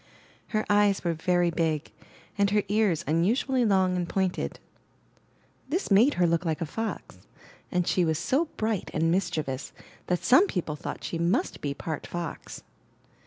Her eyes were very big, and her ears unusually long and pointed. This made her look like a fox; and she was so bright and mischievous that some people thought she must be part fox.